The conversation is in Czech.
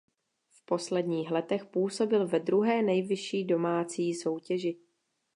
V posledních letech působil ve druhé nejvyšší domácí soutěži.